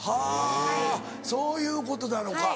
はぁそういうことなのか。